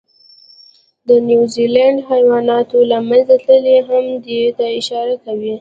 د نیوزیلند حیواناتو له منځه تلل هم دې ته اشاره کوي.